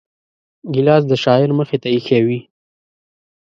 ګیلاس د شاعر مخې ته ایښی وي.